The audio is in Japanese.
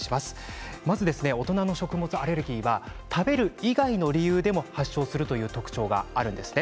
まず大人の食物アレルギーは食べる以外の理由でも発症するという特徴があるんですね。